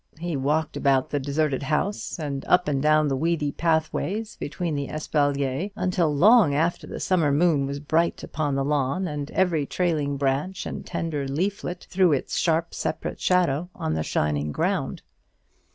He walked about the deserted house, and up and down the weedy pathways between the espaliers, until long after the summer moon was bright upon the lawn, and every trailing branch and tender leaflet threw its sharp separate shadow on the shining ground.